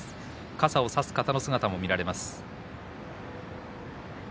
傘を差す方の姿も見られます。